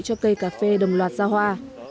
cho cây cà phê đồng loạt ra hoa